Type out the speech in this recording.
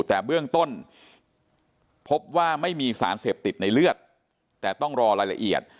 แต่เบื้องต้นพบว่าไม่มีสารเสพติดในเลือดแต่ต้องรอรายละเอียด